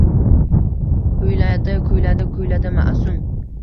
Kuyladi, kuyladi, kuyladi ma’sum.